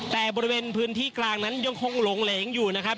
แต่บริเวณพื้นที่กลางนั้นยังคงหลงเหลงอยู่นะครับ